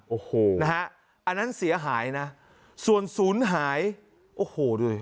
โอ้โหนะฮะอันนั้นเสียหายนะส่วนศูนย์หายโอ้โหดูดิ